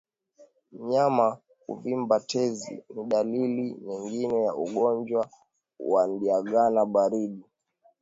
Mnyama kuvimba tezi ni dalili nyingine ya ugonjwa wa ndigana baridi